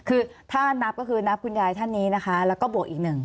คือถ้านับก็คือนับคุณยายท่านนี้นะคะแล้วก็บวกอีกหนึ่ง